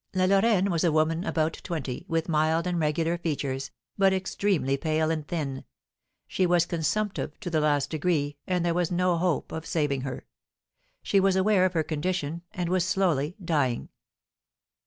La Lorraine was a woman about twenty, with mild and regular features, but extremely pale and thin; she was consumptive to the last degree, and there was no hope of saving her. She was aware of her condition, and was slowly dying.